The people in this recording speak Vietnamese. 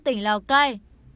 tỉnh lào cai